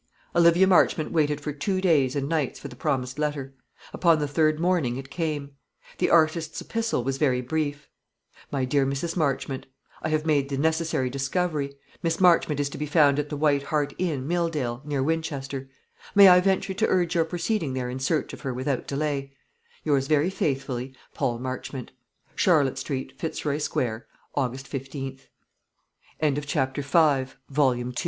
Olivia Marchmont waited for two days and nights for the promised letter. Upon the third morning it came. The artist's epistle was very brief: "MY DEAR MRS. MARCHMONT, I have made the necessary discovery. Miss Marchmont is to be found at the White Hart Inn, Milldale, near Winchester. May I venture to urge your proceeding there in search of her without delay? "Yours very faithfully, "PAUL MARCHMONT. "Charlotte Street, Fitzroy Square, "Aug. 15_th_." CHAPTER VI. RISEN FROM THE GRAVE.